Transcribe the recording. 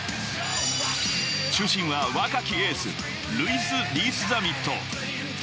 中心は若きエース、ルイス・リース＝ザミット。